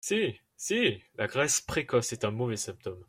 Si ! si ! la graisse précoce est un mauvais symptôme.